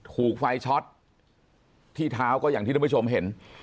ถูกไฟช็อตที่เท้าก็อย่างที่ท่านผู้ชมเห็น